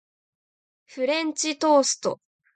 フレンチトースト